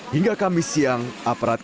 hingga kamis siang aparat